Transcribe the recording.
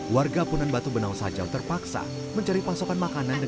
warga punan batu benausajaw terpaksa mencari pasokan makanan yang lebih baik